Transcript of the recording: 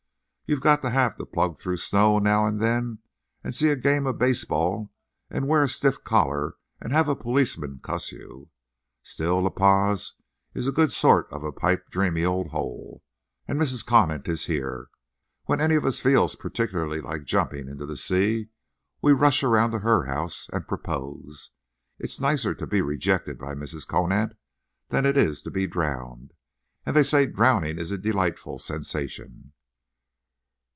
You've got to have to plug through snow now and then, and see a game of baseball and wear a stiff collar and have a policeman cuss you. Still, La Paz is a good sort of a pipe dreamy old hole. And Mrs. Conant is here. When any of us feels particularly like jumping into the sea we rush around to her house and propose. It's nicer to be rejected by Mrs. Conant than it is to be drowned. And they say drowning is a delightful sensation."